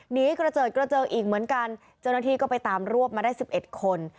หนีกระเจิดกระเจิงอีกเหมือนกันเจ้าหน้าที่ก็ไปตามรวบมาได้๑๑คน